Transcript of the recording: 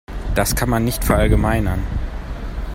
Das kann man nicht verallgemeinern.